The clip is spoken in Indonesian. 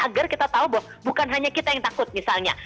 agar kita tahu bahwa bukan hanya kita yang takut misalnya